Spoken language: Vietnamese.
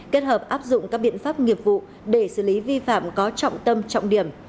kết hợp áp dụng các biện pháp nghiệp vụ để xử lý vi phạm có trọng tâm trọng điểm